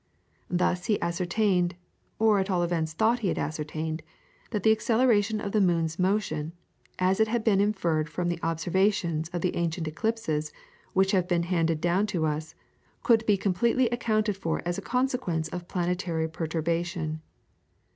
Thus he ascertained, or at all events thought he had ascertained, that the acceleration of the moon's motion, as it had been inferred from the observations of the ancient eclipses which have been handed down to us, could be completely accounted for as a consequence of planetary perturbation.